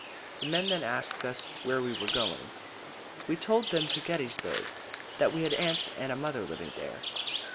The men then asked us where we were, going. We told them to Gettysburg, that we had aunts and a mother there.